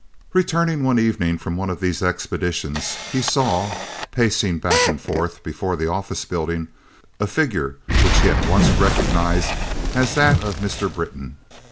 Returning one evening from one of these expeditions he saw, pacing back and forth before the office building, a figure which he at once recognized as that of Mr. Britton.